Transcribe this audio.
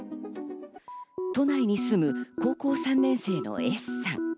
都内に住む高校３年生のＳさん。